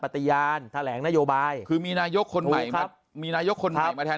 ปฏิญาณแถลงนโยบายคือมีนายกคนใหม่มามีนายกคนใหม่มาแทน